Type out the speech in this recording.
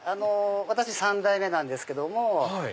私３代目なんですけども。